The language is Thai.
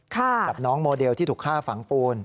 กับน้องโมเดลที่ถูกฆ่าฝังปูน